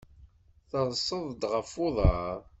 Terseḍ-d ɣef uḍar?